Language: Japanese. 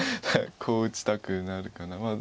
こう打ちたくなるかな。